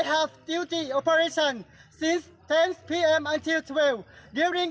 ผมต้องการอุปกรณ์ตั้งแต่๑๐นาทีถึง๑๒นาที